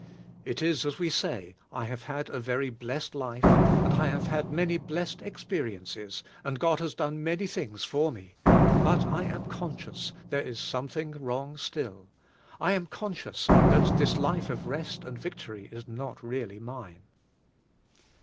It is as v;e say: "I have had a very blessed life, and I have had many blessed expe riences, and God has done many things for me; but I am conscious there is something wrong still; I am conscious that this life of rest and victory is 84 CHRIST OUR LIFE not really mine."